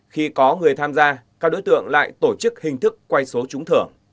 khi có người tham gia các đối tượng lại tổ chức hình thức quay số trúng thưởng